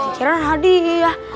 saya pikiran hadiah